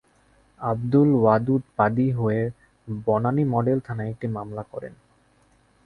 আবদুল ওয়াদুদ বাদী হয়ে বনানী মডেল থানায় একটি মামলা করেন।